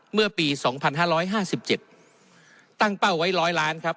เมื่อปีสองพันห้าร้อยห้าสิบเจ็บตั้งเป้าไว้ร้อยล้านครับ